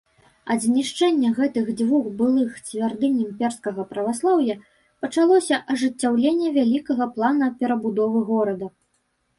Ад знішчэння гэтых дзвюх былых цвярдынь імперскага праваслаўя пачалося ажыццяўленне вялікага плана перабудовы горада.